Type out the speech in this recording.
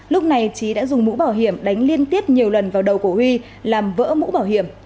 lúc này trí đã dùng mũ bảo hiểm đánh liên tiếp nhiều lần vào đầu của huy làm vỡ mũ bảo hiểm